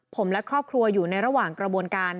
ผมและครอบครัวอยู่ในระหว่างกระบวนการ